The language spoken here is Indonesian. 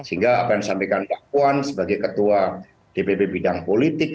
sehingga apa yang disampaikan mbak puan sebagai ketua dpp bidang politik